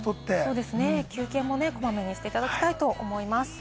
休憩もこまめにしていただきたいと思います。